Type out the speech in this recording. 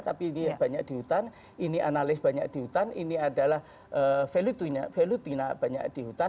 tapi banyak di hutan ini analis banyak di hutan ini adalah valutina banyak di hutan